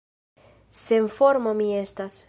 Senforma mi estas!